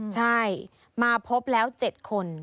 ใช่มาพบแล้ว๗คน